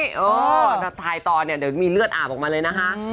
ถ้าทายตอนเนี่ยเดี๋ยวมีเลือดอาบออกมาเลยนะคะ